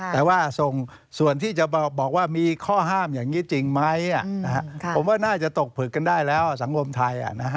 แต่ว่าส่งส่วนที่จะบอกว่ามีข้อห้ามอย่างนี้จริงไหมผมว่าน่าจะตกผลึกกันได้แล้วสังคมไทย